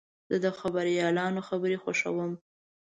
زه د خبریالانو خبرې خوښوم.